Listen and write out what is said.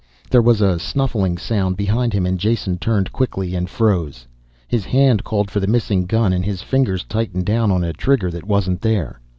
There was a snuffling sound behind him and Jason turned quickly and froze. His hand called for the missing gun and his finger tightened down on a trigger that wasn't there.